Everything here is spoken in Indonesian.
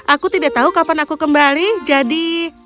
aku tidak tahu kapan aku kembali jadi